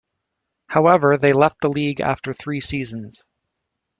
However, they left the league after three seasons.